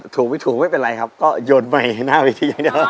ถูกไม่ถูกไม่เป็นไรครับก็หยนต์ใหม่กันหน้าวิทยามานี้